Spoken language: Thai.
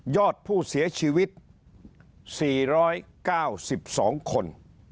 อดผู้เสียชีวิต๔๙๒คน